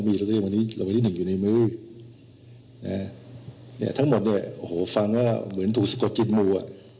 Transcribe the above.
มีเรื่องนี้อยู่ในมือทั้งหมดเนี่ยฟังว่าเหมือนถูกสกดจิตมูอ่ะ